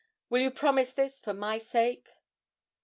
Will you promise this, for my sake?'